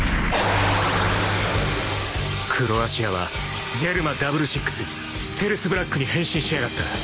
［黒足屋はジェルマ６６ステルス・ブラックに変身しやがった］